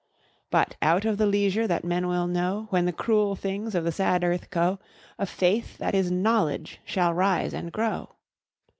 But out of the leisure that men will know, When the cruel things of the sad earth go, A Faith that is Knowledge shall rise and grow.